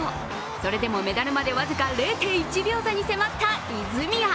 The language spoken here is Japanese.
それでもメダルまで僅か０．１秒差に迫った泉谷。